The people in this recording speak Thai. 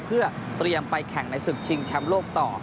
เพื่อเตรียมไปแข่งในศึกชิงแชมป์โลกต่อ